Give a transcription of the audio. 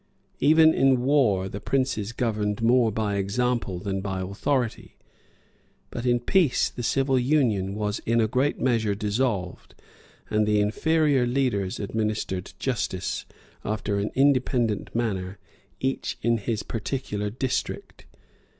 Even in war, the princes governed more by example than by authority, but in peace, the civil union was in a great measure dissolved, and the inferior leaders administered justice, after an independent manner, each in his particular district.